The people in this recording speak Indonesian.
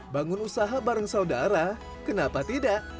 bangun usaha bareng saudara kenapa tidak